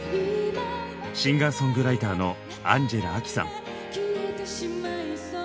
シンガーソングライターのアンジェラ・アキさん。